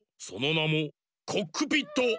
そのなもコックピットＸ！